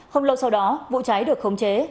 không lâu sau đó vụ cháy được khống chế